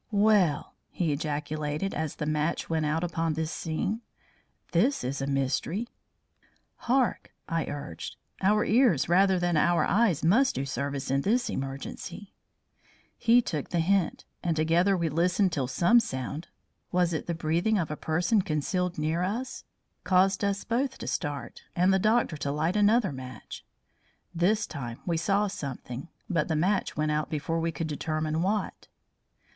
"Well!" he ejaculated, as the match went out upon this scene. "This is a mystery." "Hark!" I urged; "our ears rather than our eyes must do service in this emergency." He took the hint, and together we listened till some sound was it the breathing of a person concealed near us? caused us both to start and the doctor to light another match. This time we saw something, but the match went out before we could determine what.